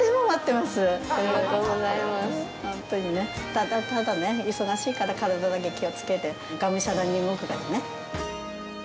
ただただね、忙しいから、体だけ気をつけて、がむしゃらに動くだけね。